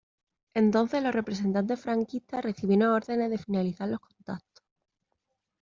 Entonces los representantes franquistas recibieron órdenes de finalizar los contactos.